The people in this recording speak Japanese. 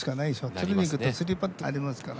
次に行くと３パットありますから。